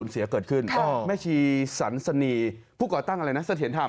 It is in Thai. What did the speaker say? เสียเกิดขึ้นแม่ชีสันสนีผู้ก่อตั้งอะไรนะเสถียรธรรม